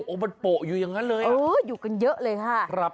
โอ้โหมันโปะอยู่อย่างนั้นเลยอยู่กันเยอะเลยค่ะ